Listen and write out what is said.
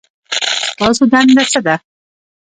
ستاسو دنده څه ده؟